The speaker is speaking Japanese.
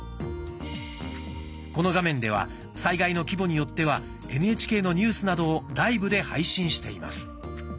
この画面では災害の規模によってはＮＨＫのニュースなどをライブで配信しています。